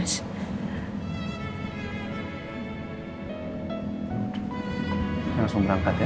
saya bilang ke dia